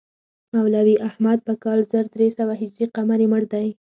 مولوي احمد په کال زر درې سوه هجري قمري مړ دی.